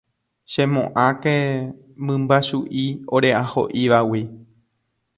Chemo'ãke mymbachu'i ore'aho'ívagui